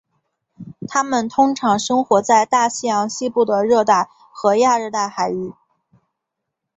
它们通常生活在大西洋西部的热带和亚热带海域。